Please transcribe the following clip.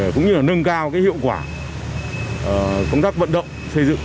cũng như là nâng cao hiệu quả công tác vận động xây dựng